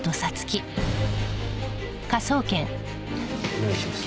お願いします。